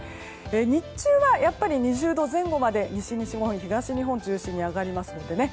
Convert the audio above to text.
日中は２０度前後まで、西日本東日本中心に上がりますのでね